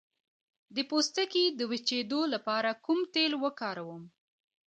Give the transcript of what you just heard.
د پوستکي د وچیدو لپاره کوم تېل وکاروم؟